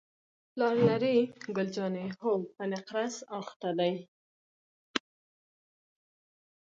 پلار لرې؟ ګل جانې: هو، په نقرس اخته دی.